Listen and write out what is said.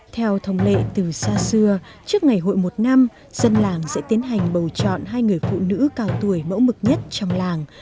theo thông lệ từ xa xưa trước ngày hội một năm dân làng sẽ tiến hành bầu chọn hai người phụ nữ cao tuổi mẫu mực nhất trong làng